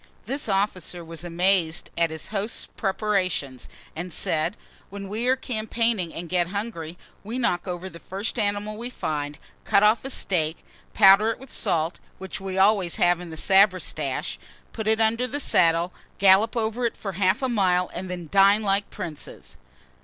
This officer was amazed at his host's preparations, and said, "When we are campaigning, and get hungry, we knock over the first animal we find, cut off a steak, powder it with salt, which we always have in the sabretasche, put it under the saddle, gallop over it for half a mile, and then dine like princes."